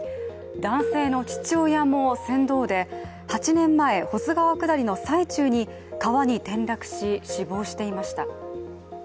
男性の父親も船頭で８年前、保津川下りの最中に川に転落し、死亡していました。